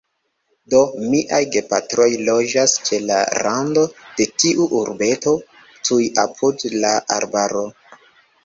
Do, miaj gepatroj loĝas ĉe la rando de tiu urbeto, tuj apud la arbaro.